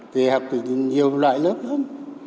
thì học thì nhiều loại lớp lắm